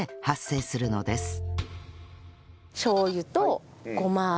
しょう油とごま油。